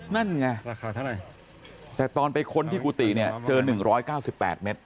นั่นไงราคาเท่าไหร่แต่ตอนไปค้นที่กุฏิเนี่ยเจอหนึ่งร้อยเก้าสิบแปดเมตร